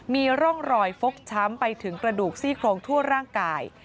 มีร่องรอยฟกช้ำไปถึงกระดูกซี่โครงทั่วร่างกาย